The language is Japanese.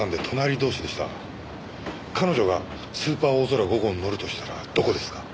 彼女がスーパーおおぞら５号に乗るとしたらどこですか？